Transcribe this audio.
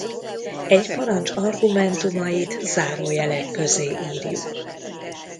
Egy parancs argumentumait zárójelek közé írjuk.